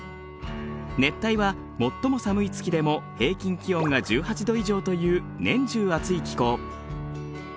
熱帯は最も寒い月でも平均気温が１８度以上という年中暑い気候。